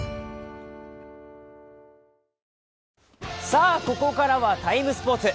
さあ、ここからは「ＴＩＭＥ，スポーツ」。